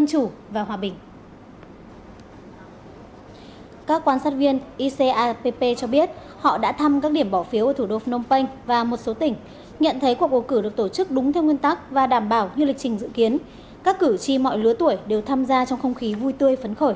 nhận thấy cuộc bầu cử được tổ chức đúng theo nguyên tắc và đảm bảo như lịch trình dự kiến các cử tri mọi lứa tuổi đều tham gia trong không khí vui tươi phấn khởi